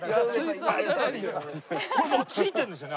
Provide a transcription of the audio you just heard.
これもうついてるんですよね？